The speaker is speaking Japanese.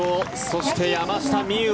そして、山下美夢